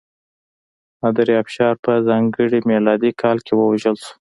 نادرافشار په ځانګړي میلادي کال کې ووژل شو.